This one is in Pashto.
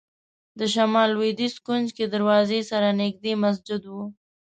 د شمال لوېدیځ کونج کې دروازې سره نږدې مسجد و.